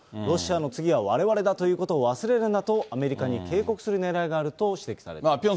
ロシアの次はわれわれだということを忘れるなと、アメリカに警告するねらいがあると指摘されています。